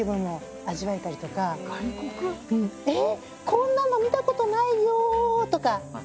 こんなの見たことないよとか。